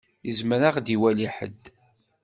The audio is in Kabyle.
Izmer ad ɣ-d-iwali ḥedd.